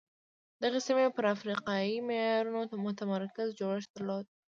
دغې سیمې پر افریقایي معیارونو متمرکز جوړښت درلود.